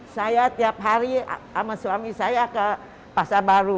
saya tiap hari sama suami saya ke pasar baru